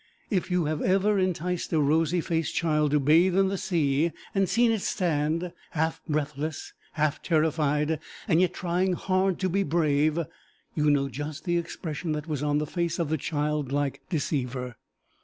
If you have ever enticed a rosy faced child to bathe in the sea, and seen it stand half breathless, half terrified, yet trying hard to be brave, you know just the expression that was on the face of the child like deceiver.